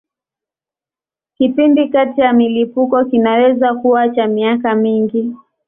Kipindi kati ya milipuko kinaweza kuwa cha miaka mingi.